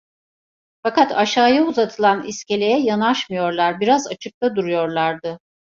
Fakat aşağıya uzatılan iskeleye yanaşmıyorlar, biraz açıkta duruyorlardı.